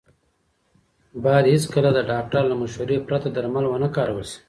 باید هېڅکله د ډاکټر له مشورې پرته درمل ونه کارول شي.